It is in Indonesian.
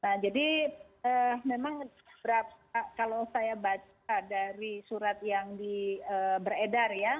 nah jadi memang kalau saya baca dari surat yang beredar ya